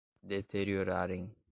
deteriorarem